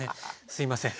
すいません。